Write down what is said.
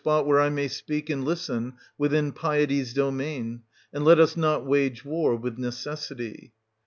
[189—215 190 may speak and listen within piety's domain, and let us not wage war with necessity.